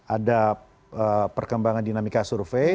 ada perkembangan dinamika survei